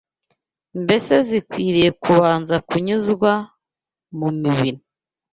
mbese zikwiriye kubanza kunyuzwa mu mibiri